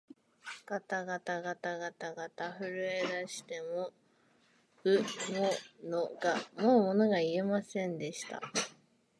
がたがたがたがた、震えだしてもうものが言えませんでした